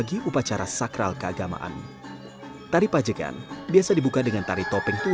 tiap karakter memiliki kekhasan tersendiri dalam pentas tari topeng bali